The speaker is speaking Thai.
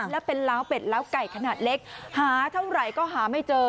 แล้วเป็นล้าวเป็ดล้าวไก่ขนาดเล็กหาเท่าไหร่ก็หาไม่เจอ